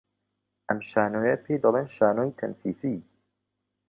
ئەم شانۆییە پێی دەڵێن شانۆی تەنفیسی